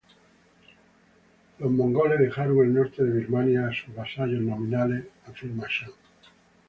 Los mongoles dejaron el norte de Birmania a sus vasallos nominales, afirma Shan.